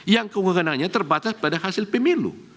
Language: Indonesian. yang kewenangannya terbatas pada hasil pemilu